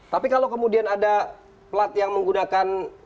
tapi kalau kemudian ada plat yang menggunakan